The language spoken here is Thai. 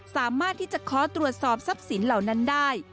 สามารถที่จะขอตรวจสอบทรัพย์สินเหล่านั้นได้